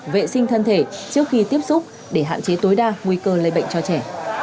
vệ sinh thân thể trước khi tiếp xúc để hạn chế tối đa nguy cơ lây bệnh cho trẻ